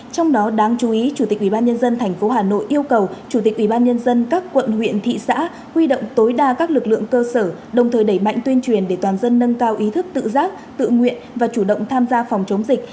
trong đó đáng chú ý chủ tịch ubnd tp hà nội yêu cầu chủ tịch ubnd các quận huyện thị xã huy động tối đa các lực lượng cơ sở đồng thời đẩy mạnh tuyên truyền để toàn dân nâng cao ý thức tự giác tự nguyện và chủ động tham gia phòng chống dịch